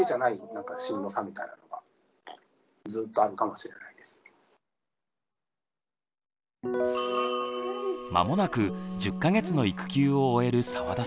生後２か月の時から間もなく１０か月の育休を終える澤田さん。